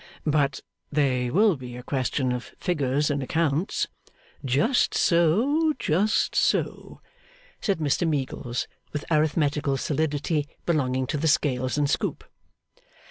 'But they will be a question of figures and accounts ' 'Just so, just so,' said Mr Meagles, with arithmetical solidity belonging to the scales and scoop.